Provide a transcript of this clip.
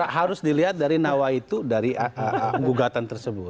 harus dilihat dari nawaitu dari gugatan tersebut